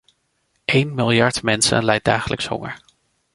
Eén miljard mensen lijdt dagelijks honger.